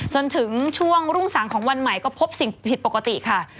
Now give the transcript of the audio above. จนถึงช่วงรุ่งสางของวันใหม่ก็พบสิ่งผิดปกติค่ะ